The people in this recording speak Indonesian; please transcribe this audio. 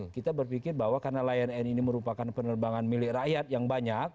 kita berpikir bahwa karena lion air ini merupakan penerbangan milik rakyat yang banyak